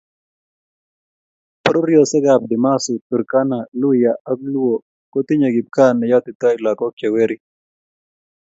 Pororiosiekab dimasu turkana luhya ak Luo kotinyei kipkaa neyotitoi lagok che werik